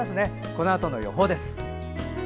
このあとの予報です。